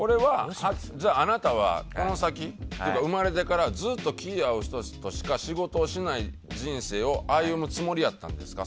じゃあ、あなたはこの先ずっと気が合う人としか仕事をしない人生を歩むつもりやったんですか？